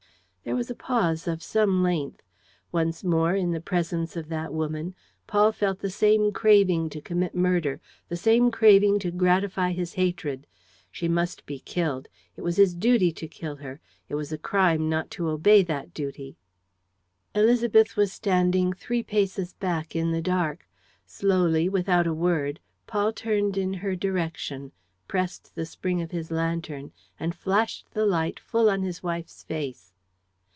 There was a pause of some length. Once more, in the presence of that woman, Paul felt the same craving to commit murder, the same craving to gratify his hatred. She must be killed. It was his duty to kill her, it was a crime not to obey that duty. Élisabeth was standing three paces back, in the dark. Slowly, without a word, Paul turned in her direction, pressed the spring of his lantern and flashed the light full on his wife's face.